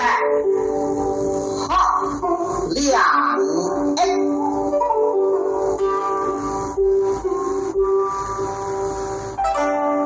แห่งห้อแห่งเอ็ด